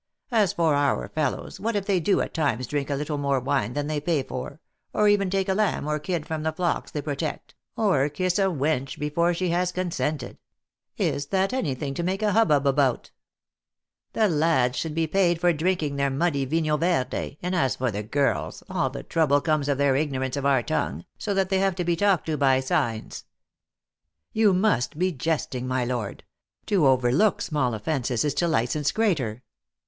As for our fellows, what if they do at times drink a little more wine than U* 330 THE ACTRESS IN HIGH LIFE. they pay for, or even take a lamb or kid from the flocks they protect, or kiss a wench before she has consented ; is that any thing to make a hubbub about? The lads should be paid for drinking their muddy vinho verde, and as for the girls, all the trouble comes of their ignorance of our tongue, so that they have to be talked to by signs." " You must be jesting, my lord. To overlook small offences is to license greater."